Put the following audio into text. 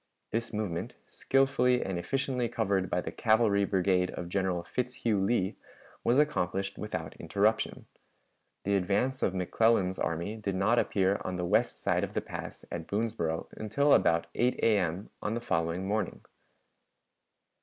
This movement, skillfully and efficiently covered by the cavalry brigade of General Fitzhugh Lee, was accomplished without interruption. The advance of McClellan's army did not appear on the west side of the pass at Boonsboro until about 8 A.M. on the following morning.